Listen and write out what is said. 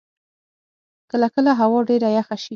کله کله هوا ډېره یخه شی.